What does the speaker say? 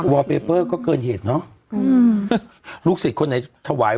อลเปเปอร์ก็เกินเหตุเนอะอืมลูกศิษย์คนไหนถวาย